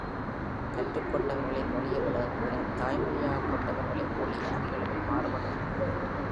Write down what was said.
கற்றுக் கொண்டவர்களின் மொழியை விட, அதனை தாய் மொழியாகக் கொண்டவர்களின் மொழி அதிகளவில் மாறுபடுகிறது.